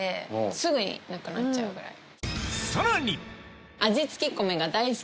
さらに！